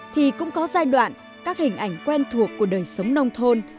thì cũng có giai đoạn các hình ảnh quen thuộc của đời sống nông thôn